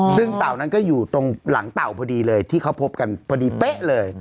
ซึ่งเต่านั้นก็อยู่ตรงหลังเต่าพอดีเลยที่เขาพบกันพอดีเป๊ะเลย